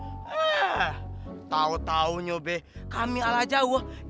i allan abad sudah datang